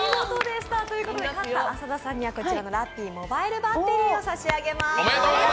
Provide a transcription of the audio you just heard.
勝った浅田さんにはこちらのモバイルバッテリーを差し上げます。